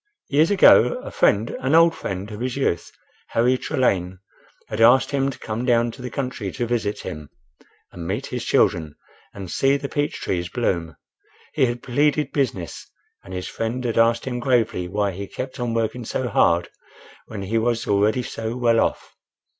Years ago, a friend—an old friend of his youth, Harry Trelane, had asked him to come down to the country to visit him and meet his children and see the peach trees bloom. He had pleaded business, and his friend had asked him gravely why he kept on working so hard when he was already so well off.